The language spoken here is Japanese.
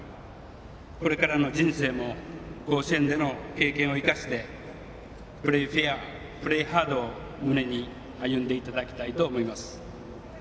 これからの人生も甲子園での経験を生かして「プレーフェアプレーハード」を胸に歩んでいただきたいと思います。